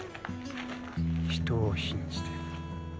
人を信じて。